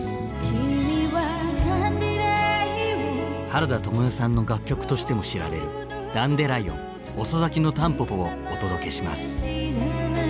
原田知世さんの楽曲としても知られる「ダンデライオン遅咲きのたんぽぽ」をお届けします。